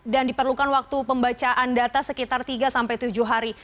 dan diperlukan waktu pembacaan data sekitar tiga sampai tujuh hari